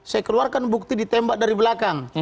saya keluarkan bukti ditembak dari belakang